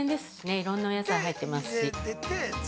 いろんなお野菜入ってますし。